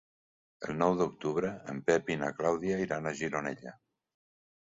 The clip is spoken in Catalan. El nou d'octubre en Pep i na Clàudia iran a Gironella.